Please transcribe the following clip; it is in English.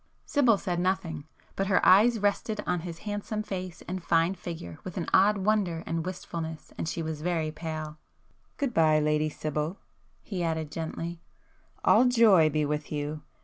Sibyl said nothing,—but her eyes rested on his handsome face and fine figure with an odd wonder and wistfulness, and she was very pale. "Good bye Lady Sibyl!" he added gently—"All joy be with you!